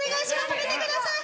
止めてください。